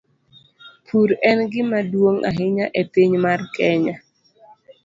Pur en gima duong ahinya e piny mar Kenya.